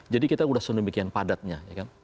jadi kita sudah seudah memikirkan padatnya